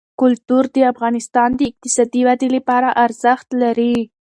کلتور د افغانستان د اقتصادي ودې لپاره ارزښت لري.